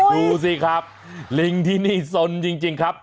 ดูสิครับลิงที่นี่สนจริงครับ